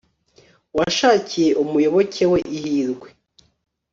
washakiye umuyoboke we ihirwe